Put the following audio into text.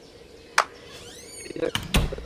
তাঁর সাক্ষাতে হৃদয় সান্ত্বনা পেত।